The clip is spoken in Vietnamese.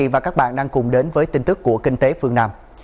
xin chào quý vị và các bạn đang cùng đến với tin tức của kinh tế phương nam